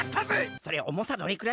それおもさどれくらい？